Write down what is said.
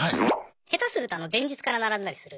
下手すると前日から並んだりする。